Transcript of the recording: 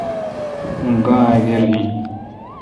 اں گا اگر این۔